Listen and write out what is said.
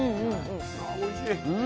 あおいしい。